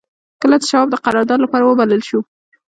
کله چې شواب د قرارداد لپاره وبلل شو.